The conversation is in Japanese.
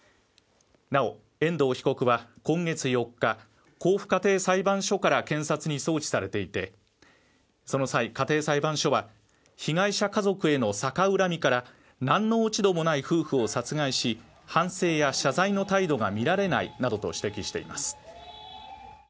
なお、遠藤被告は今月４日、甲府家庭裁判所から検察に送致されていてその際、家庭裁判所は被害者家族への逆恨みから何の落ち度もない夫婦を殺害し反省や謝罪の態度がみられないなどと指摘しています。